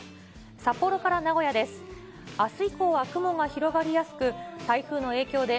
札幌から名古屋です。